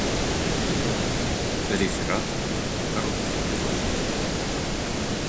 Реферат "Короткие предложения"